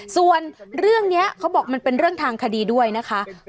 ส่วนเรื่องนี้เขาบอกมันเป็นเรื่องทางคดีด้วยนะคะ